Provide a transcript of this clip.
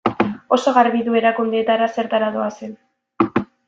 Oso garbi du erakundeetara zertara doazen.